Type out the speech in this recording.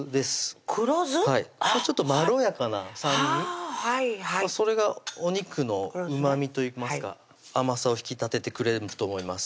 あっはいちょっとまろやかな酸味それがお肉のうまみといいますか甘さを引き立ててくれると思います